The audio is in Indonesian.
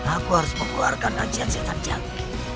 aku harus membuarkan ajiat setan jangki